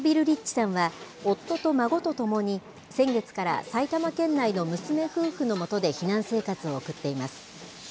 リッチさんは、夫と孫と共に、先月から埼玉県内の娘夫婦のもとで避難生活を送っています。